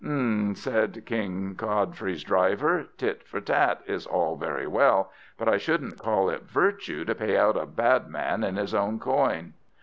"H'm," said King Godfrey's driver, "tit for tat is all very well, but I shouldn't call it virtue to pay out a bad man in his own coin."